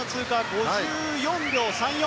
５４秒３４。